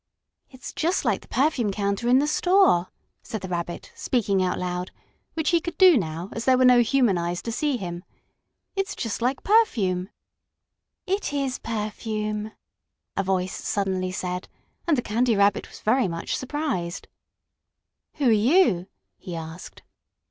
"It's just like the perfume counter in the store," said the Rabbit, speaking out loud, which he could do now, as there were no human eyes to see him. "It's just like perfume!" "It is perfume!" a voice suddenly said, and the Candy Rabbit was very much surprised. "Who are you?" he asked.